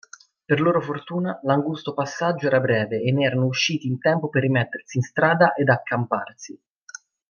Per loro fortuna, l'angusto passaggio era breve e ne erano usciti in tempo per rimettersi in strada ed accamparsi.